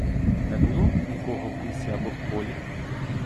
Не було нікого в лісі або в полі?